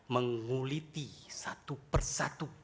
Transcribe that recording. menguliti satu persatu